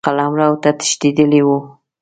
قلمرو ته تښتېدلی وو.